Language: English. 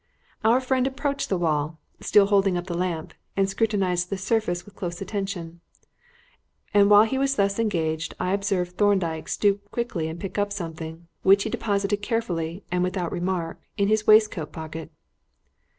Our friend approached the wall, still holding up the lamp, and scrutinised the surface with close attention; and while he was thus engaged, I observed Thorndyke stoop quickly and pick up something, which he deposited carefully, and without remark, in his waistcoat pocket.